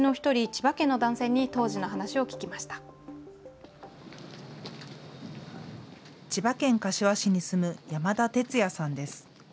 千葉県柏市に住む山田哲也さんです。